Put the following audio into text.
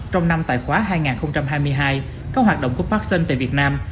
trong năm tài khoá hai nghìn hai mươi hai các hoạt động của parking tại việt nam